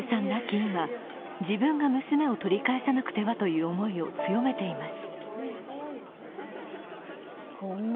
今、自分が娘を取り返さなくてはという思いを強めています。